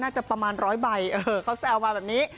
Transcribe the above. ประมาณร้อยใบเขาแซวมาแบบนี้